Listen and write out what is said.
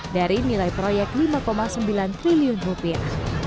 dari nilai proyek lima sembilan triliun rupiah